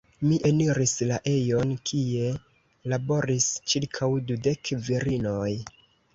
Mi eniris la ejon, kie laboris ĉirkaŭ dudek virinoj.